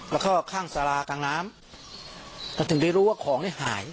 แล้วก็ข้างสารากลางน้ำเราถึงได้รู้ว่าของเนี่ยหาย